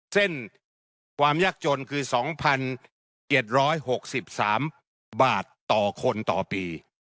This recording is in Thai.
เส้นความยากจนคือ๒๗๖๓บาทต่อคนต่อปี